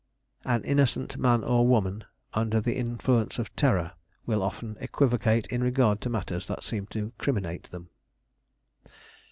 An innocent man or woman, under the influence of terror, will often equivocate in regard to matters that seem to criminate them.